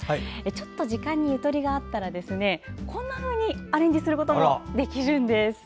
ちょっと時間にゆとりがあったらこんなふうにアレンジすることもできるんです。